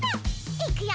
いくよ！